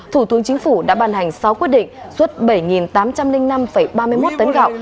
thủ tướng chính phủ đã bàn hành sáu quyết định xuất bảy tám trăm linh năm ba mươi một tấn gạo